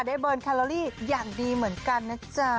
ได้เบิร์นคาโลยีอย่างดีเหมือนกันน่ะจ้า